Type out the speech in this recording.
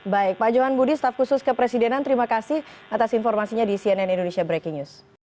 baik pak johan budi staf khusus kepresidenan terima kasih atas informasinya di cnn indonesia breaking news